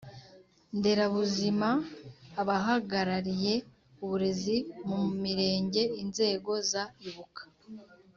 Nderabuzima Abahagarariye Uburezi Mu Mirenge Inzego Za Ibuka